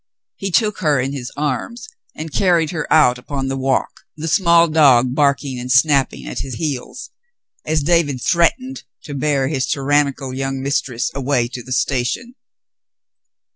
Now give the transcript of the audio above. He took her in his arms and carried her out upon the walk, the small dog barking and snapping at his heels, as David threatened to bear his tyrannical young mistress away to the station.